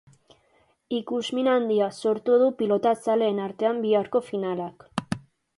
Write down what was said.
Ikusmin handia sortu du pilotazaleen artean biharko finalak.